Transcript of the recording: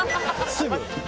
すぐ。